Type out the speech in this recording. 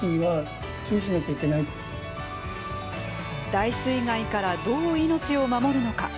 大水害からどう命を守るのか。